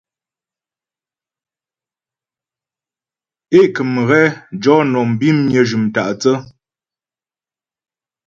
É kə̀m ghɛ jɔ nɔm bimnyə jʉm tâ'thə́.